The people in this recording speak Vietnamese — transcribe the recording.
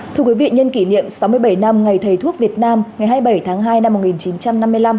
thưa quý vị nhân kỷ niệm sáu mươi bảy năm ngày thầy thuốc việt nam ngày hai mươi bảy tháng hai năm một nghìn chín trăm năm mươi năm